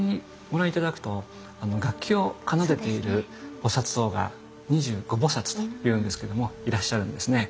ご覧頂くと楽器を奏でている菩像が二十五菩というんですけどもいらっしゃるんですね。